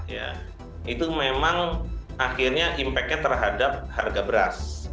ya itu memang akhirnya impact nya terhadap harga beras